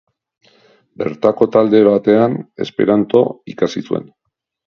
Bertako talde batean Esperanto ikasi zuen.